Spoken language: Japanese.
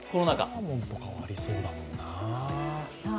サーモンとかはありそうだもんな。